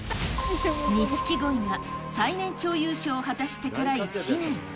錦鯉が最年長優勝を果たしてから１年。